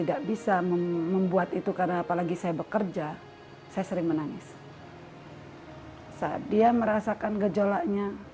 alif mengatakan ia kehilangan sosok ayah di masa kanak kanaknya